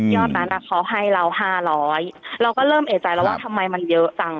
นั้นเขาให้เรา๕๐๐เราก็เริ่มเอกใจแล้วว่าทำไมมันเยอะจัง